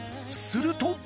すると。